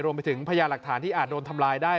รวมไปถึงพยายามหลักฐานที่อาจโดนทำลายได้